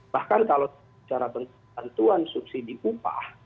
bahkan kalau secara penentuan subsidi upah